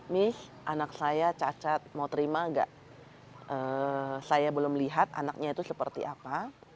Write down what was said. nih anak saya cacat mau terima gak saya belum lihat anaknya itu seperti apa